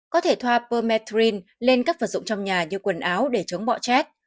có thể thoa permethrin lên các vật dụng trong nhà như quần áo để chống bọ chét